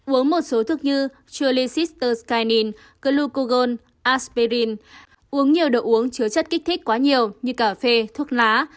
uống một số thức như churlicystoskinin glucogon aspirin uống nhiều đồ uống chứa chất kích thích quá nhiều như cà phê thuốc lá